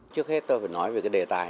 trước hết tôi phải nói về cái đề tài